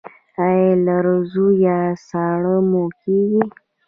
ایا لرزه یا ساړه مو کیږي؟